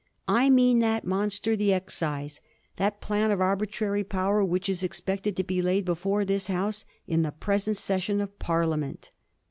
I mean that monster the excise ; that plan of arbitrary power which is ex pected to be laid before this House in the present session of Parliament.'